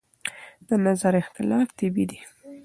د نظر اختلاف طبیعي دی.